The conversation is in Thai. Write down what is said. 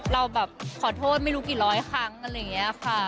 เราแบบขอโทษไม่รู้กี่ร้อยครั้งอะไรอย่างนี้ค่ะ